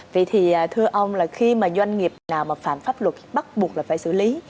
vậy thì thưa ông là khi mà doanh nghiệp nào mà phạm pháp luật bắt buộc là phải xử lý